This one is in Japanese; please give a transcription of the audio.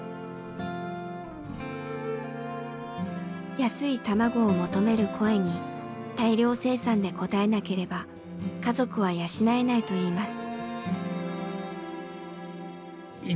安い卵を求める声に大量生産で応えなければ家族は養えないといいます。